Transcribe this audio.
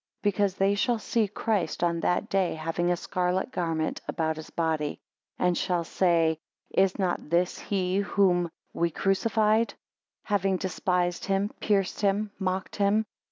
Because they shall see Christ on that day having a scarlet garment about his body; and shall say: Is not this he whom we crucified; having despised him, pierced him, mocked him?